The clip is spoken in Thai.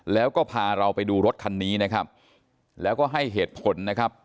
แล้วก็พาเราไปดูรถคันนี้นะครับแล้วก็ให้เหตุผลนะครับ